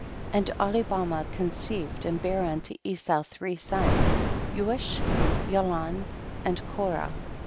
25. And Ahlibamah conceived and bare unto Esau three sons, Yeush, Yaalan and Korah.